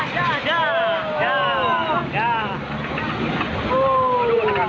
jauh jauh jauh